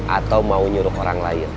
atau mau nyuruh orang lain